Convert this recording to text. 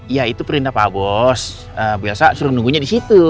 ya itu perintah pak bos biasa suruh nunggunya di situ